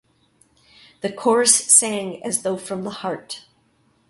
The chorus sang as though from the heart.